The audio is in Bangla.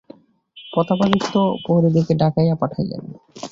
প্রতাপাদিত্য প্রহরীদিগকে ডাকাইয়া পাঠাইলেন।